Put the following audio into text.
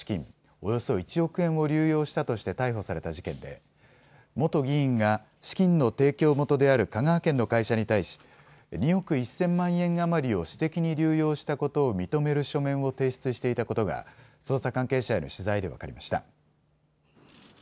およそ１億円を流用したとして逮捕された事件で元議員が資金の提供元である香川県の会社に対し２億１０００万円余りを私的に流用したことを認める書面を提出していたことが捜査関係者への取材で分かりました。